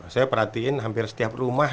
saya perhatiin hampir setiap rumah